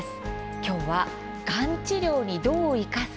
今日は「がん治療にどう生かす？